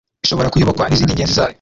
ishobora kuyobokwa n'izindi ngenzi zayo